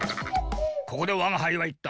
ここでわがはいはいった。